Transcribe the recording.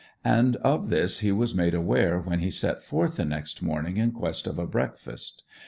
And of this he was made aware when he set forth the next morning in quest of a breakfast.